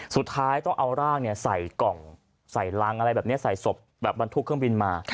สุดท้ายต้องเอาร่างใส่กล่องใส่รังอะไรแบบนี้ใส่ศพแบบบรรทุกเครื่องบินมา